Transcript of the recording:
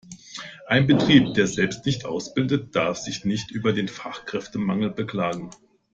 Ein Betrieb, der selbst nicht ausbildet, darf sich nicht über den Fachkräftemangel beklagen.